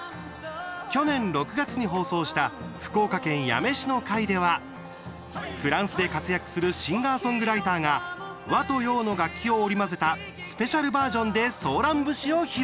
去年６月に放送した福岡県八女市の回ではフランスで活躍するシンガーソングライターが和と洋の楽器を織り交ぜたスペシャルバージョンでソーラン節を披露。